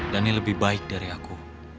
dhani lebih baik dari aku